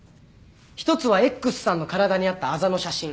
１つはＸさんの体にあったあざの写真。